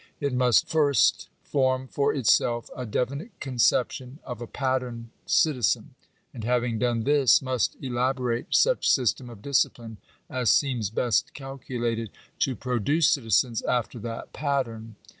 It must first form for itself a definite conception of a pattern citizen ; and having done this, must elaborate such system of discipline as seems best calculated to produce citizens after that pattern.